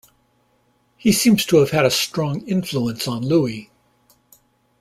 He seems to have had a strong influence on Louis.